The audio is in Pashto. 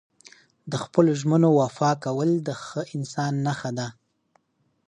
د خپلو ژمنو وفا کول د ښه انسان نښه ده.